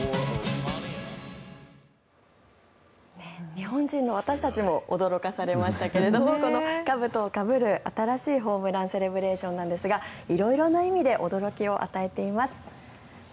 日本人の私たちも驚かされましたがこのかぶとをかぶる新しいホームランセレブレーションなんですが色々な意味で驚きを与えています。